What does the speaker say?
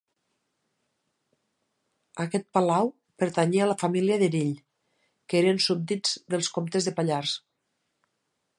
Aquest palau pertanyia a la família d'Erill, que eren súbdits dels comtes de Pallars.